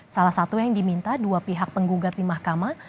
salah satu yang diminta dua pihak penggugat di mahkamah